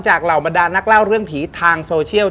เหล่าบรรดานนักเล่าเรื่องผีทางโซเชียล